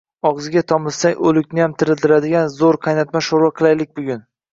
Og‘ziga tomizsang, o‘likniyam tiriltiradigan zo‘r qaynatma sho‘rva qilaylik bugun